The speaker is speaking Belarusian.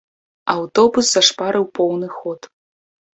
Аўтобус зашпарыў поўны ход.